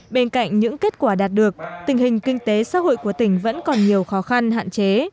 bên cạnh những kết quả đạt được tình hình kinh tế xã hội của tỉnh vẫn còn nhiều khó khăn hạn chế